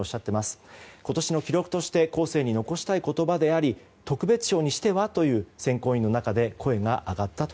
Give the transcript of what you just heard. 今年の記録として後世に残したい言葉であり特別賞にしては？という声が選考委員の中で上がったと。